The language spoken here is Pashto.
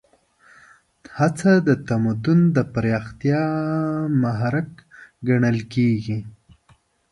هڅه د تمدن د پراختیا محرک ګڼل کېږي.